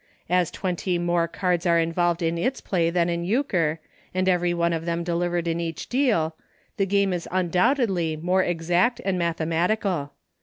As twenty more cards are involved in its play than at Euchre, and every one of them delivered in each deal, the game is undoubtedly more exact and mathematical.